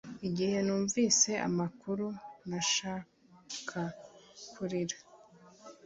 Igihe numvise amakuru, nashakaga kurira